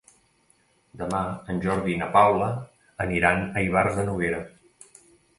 Demà en Jordi i na Paula aniran a Ivars de Noguera.